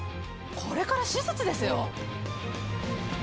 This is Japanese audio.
これから手術ですよ。